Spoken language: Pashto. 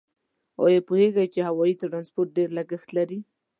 آیا پوهیږئ چې هوایي ترانسپورت ډېر لګښت لري؟